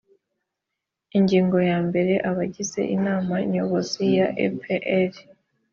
ingingo ya mbere abagize inama nyobozi ya epr